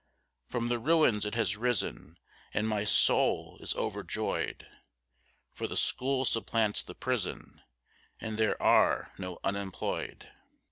From the ruins it has risen, and my soul is overjoyed, For the school supplants the prison, and there are no 'unemployed.